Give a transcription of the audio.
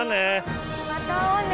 また会おうね。